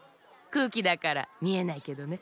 くうきだからみえないけどね。